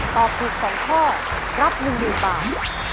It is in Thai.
ตอบถูกสองข้อรับ๑๐๐๐๐๐๐บาท